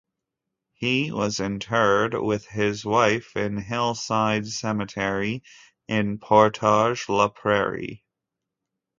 He was interred with his wife in Hillside Cemetery in Portage la Prairie.